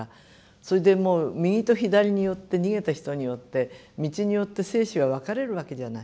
それでもう右と左によって逃げた人によって道によって生死は分かれるわけじゃない。